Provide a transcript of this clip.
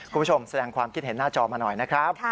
คุณผู้ชมแสดงความคิดเห็นหน้าจอมาหน่อยนะครับ